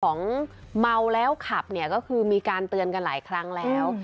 เมาแล้วขับเนี่ยก็คือมีการเตือนกันหลายครั้งแล้ว